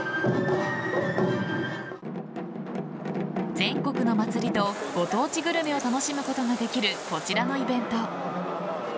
全国の祭りとご当地グルメを楽しむことができるこちらのイベント。